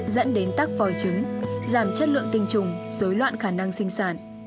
dẫn đến tắc vòi trứng giảm chất lượng tinh trùng dối loạn khả năng sinh sản